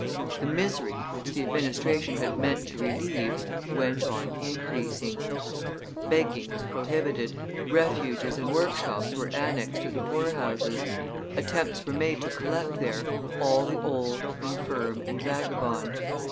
The misery, which the administration had meant to relieve, went on increasing; begging was prohibited; refuges and workshops were annexed to the poorhouses; attempts were made to collect there all the old, infirm, and vagabond.